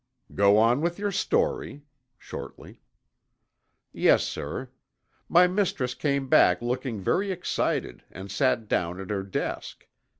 "Go on with your story," shortly. "Yes, sir. My mistress came back looking very excited and sat down at her desk.